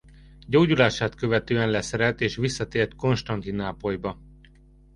Gyógyulását követően leszerelt és visszatért Konstantinápolyba.